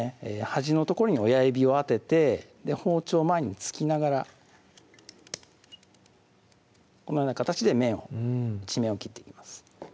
端の所に親指を当てて包丁を前に突きながらこのような形で面を一面を切っていきます